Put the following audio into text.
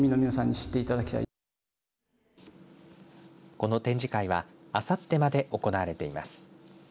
この展示会はあさってまで行われています。